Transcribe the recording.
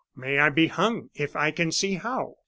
May I be hung if I can see how!